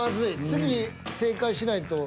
次正解しないと。